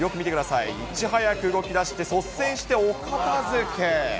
いち早く動き出して、率先してお片づけ。